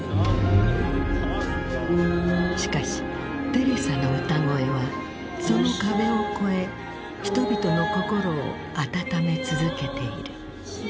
しかしテレサの歌声はその壁をこえ人々の心を温め続けている。